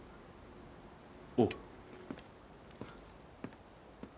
おう。